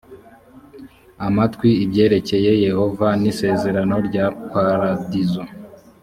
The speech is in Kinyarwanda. amatwi ibyerekeye yehova n isezerano rya paradizo